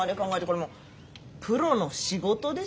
これもうプロの仕事ですよ。